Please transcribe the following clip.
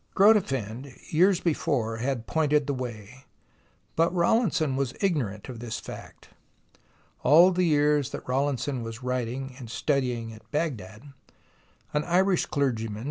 Grotefend years before had pointed the way, but Rawlinson was ignorant of this fact. All the years that Rawlinson was writing and studying at Baghdad, an Irish clergyman.